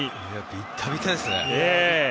ビッタビタですね。